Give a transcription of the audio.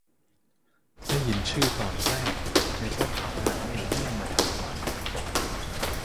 ได้ยินชื่อตอนแรก นึกว่าเผาหนังเอเลี่ยนมาทำใหม่